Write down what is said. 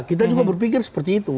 kita juga berpikir seperti itu